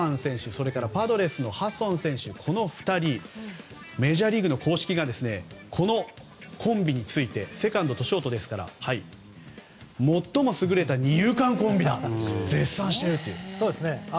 それからパドレスのハソン選手のこの２人メジャーリーグの公式がこのコンビについてセカンドとショートですから最も優れた二遊間コンビだと絶賛しています。